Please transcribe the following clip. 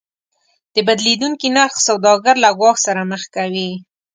د بدلیدونکي نرخ سوداګر له ګواښ سره مخ کوي.